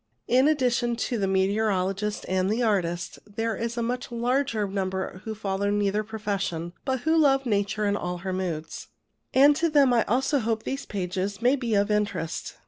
In addition to the meteorologist and the artist, there are a much larger number who follow neither profession, but who love Nature in all her moods ; and to them also I hope these pages may be of interest.